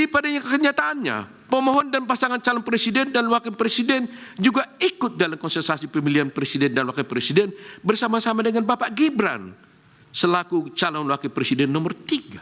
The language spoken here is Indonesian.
pada kenyataannya pemohon dan pasangan calon presiden dan wakil presiden juga ikut dalam konsentrasi pemilihan presiden dan wakil presiden bersama sama dengan bapak gibran selaku calon wakil presiden nomor tiga